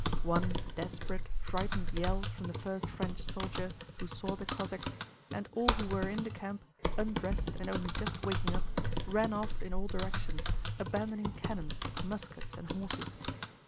One desperate, frightened yell from the first French soldier who saw the Cossacks, and all who were in the camp, undressed and only just waking up, ran off in all directions, abandoning cannons, muskets, and horses.